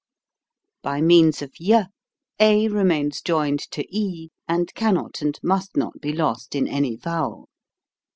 By means of y, a remains joined to e and cannot and must not be lost in any vowel.